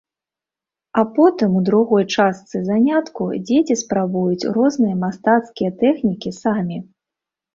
А потым у другой частцы занятку дзеці спрабуюць розныя мастацкія тэхнікі самі.